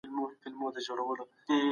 استازو به د انسان د ژوند حق خوندي کړی وي.